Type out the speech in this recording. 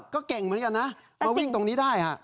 ก็เก่งเหมือนกันนะมาวิ่งตรงนี้ได้